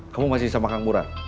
kamu masih sama kang mura